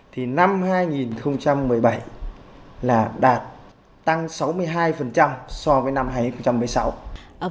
thì năm hai nghìn một mươi bảy là đạt tăng sáu mươi hai so với năm hai nghìn một mươi sáu